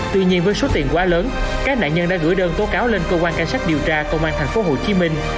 tuy nhiên với số tiền quá lớn các nạn nhân đã gửi đơn tố cáo lên cơ quan cảnh sát điều tra công an thành phố hồ chí minh